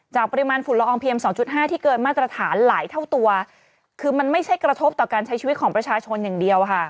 ปริมาณฝุ่นละอองเพียงสองจุดห้าที่เกินมาตรฐานหลายเท่าตัวคือมันไม่ใช่กระทบต่อการใช้ชีวิตของประชาชนอย่างเดียวค่ะ